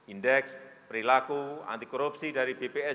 indeks perilaku anti korupsi dari bps